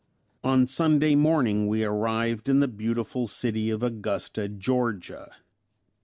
On Sunday morning we arrived in the beautiful city of Augusta, Georgia.